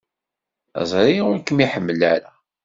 Ẓriɣ ur kem-iḥemmel ara.